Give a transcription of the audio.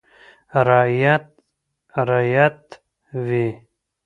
• رعیت رعیت وي.